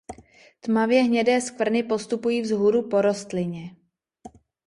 Tmavě hnědé skvrny postupují vzhůru po rostlině.